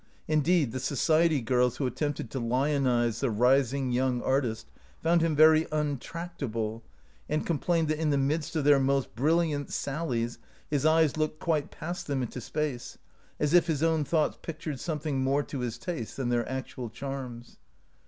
Indeed, the society girls who at tempted to lionize the rising young artist found him very untractable, and complained that in the midst of their most brilliant sal lies his eyes looked quite past them into space, as if his own thoughts pictured some thing more to his taste than their actual charms.